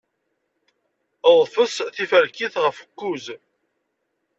Ḍfes tiferkit ɣef kuẓ.